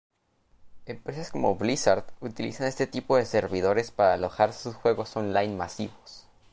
Empresas como Blizzard utilizan este tipo de servidores para alojar sus juegos online masivos.